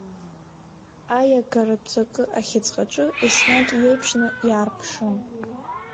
Аиагаратә ҵакы ахьыӡҟаҿы еснагь иеиԥшны иаарԥшым.